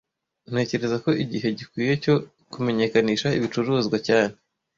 Ntekereza ko igihe gikwiye cyo kumenyekanisha ibicuruzwa cyane